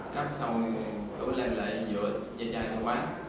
cắt xong tôi lên lại vừa ra chạy sang quán